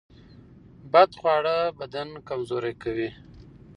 بد خواړه بدن کمزوری کوي.